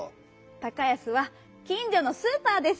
「高安」はきんじょのスーパーです。